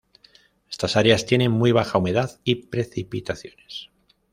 Estas áreas tienen muy baja humedad y precipitaciones.